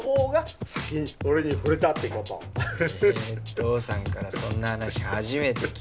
父さんからそんな話初めて聞いたよ。